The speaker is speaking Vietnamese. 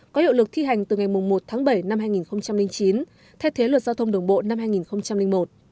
có hiệu lực thi hành từ ngày một tháng bảy năm hai nghìn chín thay thế luật giao thông đường bộ năm hai nghìn một